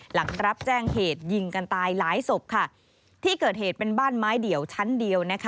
หลังรับแจ้งเหตุยิงกันตายหลายศพค่ะที่เกิดเหตุเป็นบ้านไม้เดี่ยวชั้นเดียวนะคะ